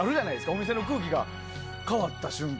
お店の空気が変わった瞬間。